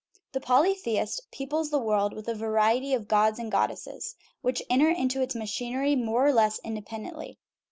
The polytheist peoples the world with a variety of gods and goddesses, which enter into its machinery more or less independently.